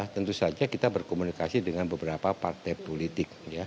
tentu saja kita berkomunikasi dengan beberapa partai politik